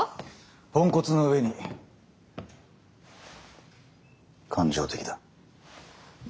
ポンコツの上に感情的だ。